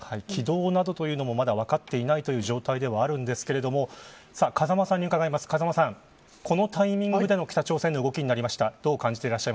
軌道などというのも、まだ分かっていない状態ではありますが風間さん、このタイミングでの北朝鮮の動きになりました。